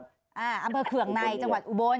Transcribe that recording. อำเภอเคืองในจังหวัดอุบล